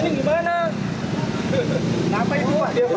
kenapa ini berantem